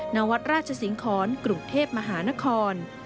ณวัดราชสิงครกรุงเทพมหานคร